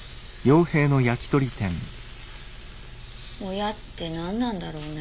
親って何なんだろうね。